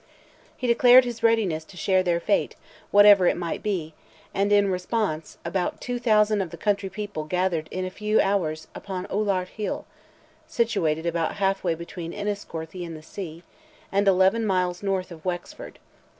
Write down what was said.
He declared his readiness to share their fate, whatever it might be, and in response, about 2,000 of the country people gathered in a few hours upon Oulart Hill, situated about half way between Enniscorthy and the sea, and eleven miles north of Wexford.